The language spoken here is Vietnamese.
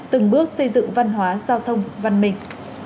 từng bước xây dựng văn hóa giao thông văn minh